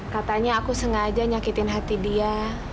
katanya aku sengaja nyakitin hati dia